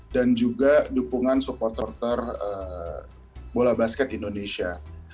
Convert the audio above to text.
dan juga dukungan supporter supporter bola basket indonesia